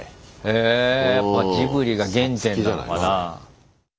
えやっぱジブリが原点なのかな。